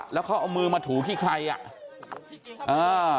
แล้วเขาเอามือมาถูที่ใครอ่ะอ่า